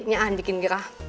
nyihan bikin gerah